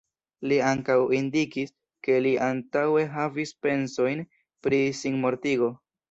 Li ankaŭ indikis, ke li antaŭe havis pensojn pri sinmortigo.